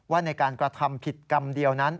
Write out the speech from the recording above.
ในการกระทำผิดกรรมเดียวนั้น